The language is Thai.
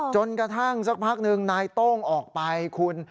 จนกระทั่งสักพักหนึ่งนายโต้งออกไปคุณ